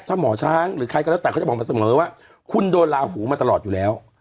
ถ้าหมอช้างหรือใครก็แล้วแต่เขาจะบอกมาเสมอว่าคุณโดนลาหูมาตลอดอยู่แล้ว